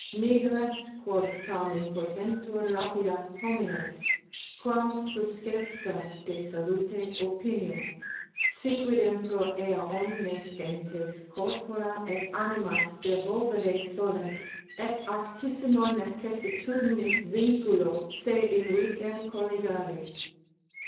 Nihil est quod tam impotentur rapiat homines, quam suscepta de salute opinio; siquidem pro ea omnes gentes corpora et animas devovere solent, et arctissimo necessitudinis vinculo se invicem colligare.